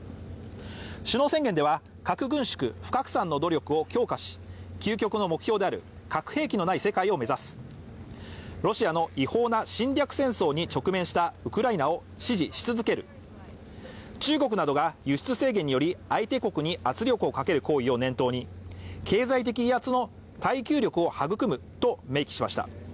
首脳宣言では核軍縮・不拡散の努力を強化し究極の目標である核兵器のない世界を目指す、ロシアの違法な侵略戦争に直面したウクライナを支持し続ける中国などが輸出制限により相手国に圧力をかける行為を念頭に経済的威圧への耐久力を育むと明記しました。